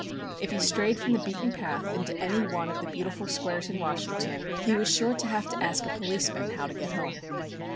If he strayed from the beaten path into any one of the beautiful squares in Washington he was sure to have to ask a policeman how to get home.